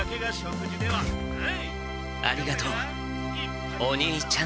ありがとうお兄ちゃん。